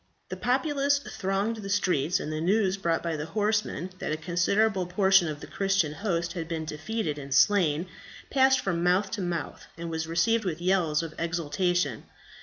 The populace thronged the streets; and the news brought by the horsemen that a considerable portion of the Christian host had been defeated and slain, passed from mouth to mouth, and was received with yells of exultation.